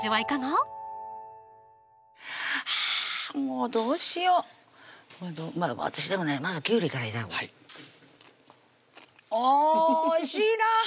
もうどうしよう私でもねまずきゅうりから頂こうおいしいな！